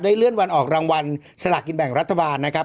เลื่อนวันออกรางวัลสลากกินแบ่งรัฐบาลนะครับ